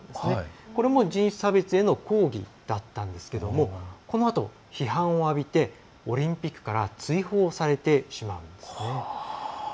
これも人種差別への抗議だったんですけどもこのあと、批判を浴びてオリンピックから追放されてしまうんですね。